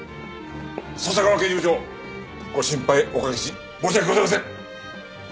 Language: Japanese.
笹川刑事部長ご心配おかけし申し訳ございません！